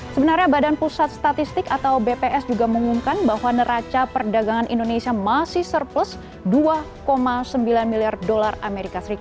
sebenarnya badan pusat statistik atau bps juga mengumumkan bahwa neraca perdagangan indonesia masih surplus dua sembilan miliar dolar as